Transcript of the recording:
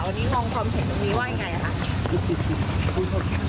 วันนี้มองความเห็นตรงนี้ว่าอย่างไรอ่ะค่ะ